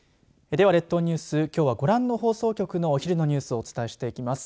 では列島ニュースきょうはご覧の放送局のお昼のニュースをお伝えしていきます。